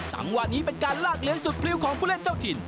จังหวะนี้เป็นการลากเลี้ยสุดพริ้วของผู้เล่นเจ้าถิ่น